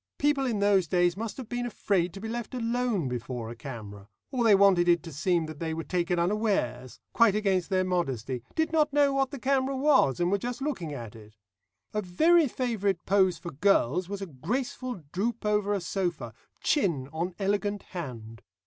People in those days must have been afraid to be left alone before a camera, or they wanted it to seem that they were taken unawares, quite against their modesty did not know what the camera was, and were just looking at it. A very favourite pose for girls was a graceful droop over a sofa, chin on elegant hand.